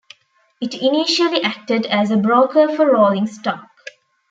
It initially acted as a broker for rolling stock.